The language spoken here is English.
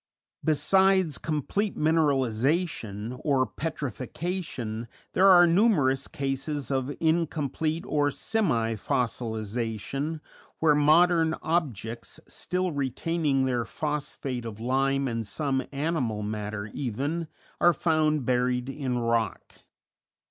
Besides complete mineralization, or petrifaction, there are numerous cases of incomplete or semi fossilization, where modern objects, still retaining their phosphate of lime and some animal matter even, are found buried in rock.